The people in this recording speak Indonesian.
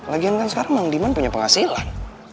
lagian kan sekarang bang diman punya penghasilan